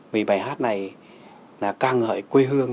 vì bài hát này là ca ngợi quê hương